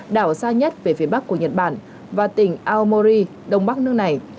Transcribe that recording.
đảo xa nhất về phía bắc của nhật bản và tỉnh aomori đông bắc nước này